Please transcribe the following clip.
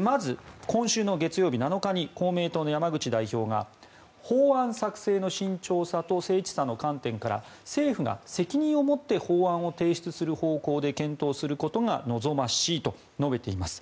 まず今週月曜日、７日に公明党の山口代表が法案作成の慎重さと精緻さの観点から政府が責任を持って法案を提出する方向で検討することが望ましいと述べています。